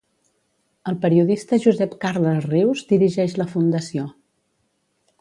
El periodista Josep Carles Rius dirigeix la Fundació.